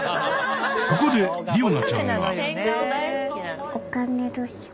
ここでりおなちゃんが。